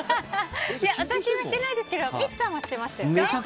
私はしてないですけどミツさんはしてましたよね。